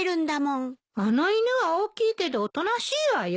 あの犬は大きいけどおとなしいわよ。